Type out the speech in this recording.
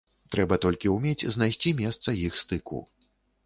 Трэба толькі ўмець знайсці месца іх стыку